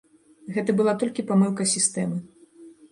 Гэта была толькі памылка сістэмы.